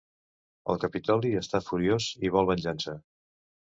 El Capitoli està furiós i vol venjança.